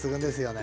ね